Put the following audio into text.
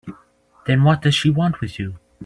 Then what does she want with you?